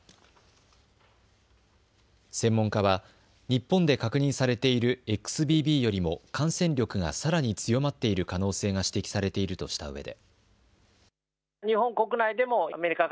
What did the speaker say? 専門家は日本で確認されているＸＢＢよりも感染力がさらに強まっている可能性が指摘されているとしたうえで。